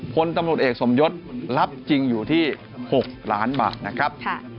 พลตำรวจเอกสมยศรับจริงอยู่ที่๖ล้านบาทนะครับ